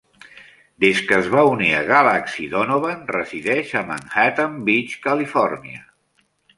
Des que es va unir a Galaxy Donovan resideix a Manhattan Beach, Califòrnia.